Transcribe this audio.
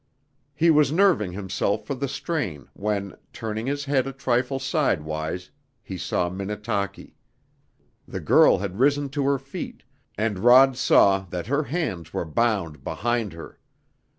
He was nerving himself for the strain when, turning his head a trifle sidewise, he saw Minnetaki. The girl had risen to her feet, and Rod saw that her hands were bound behind her.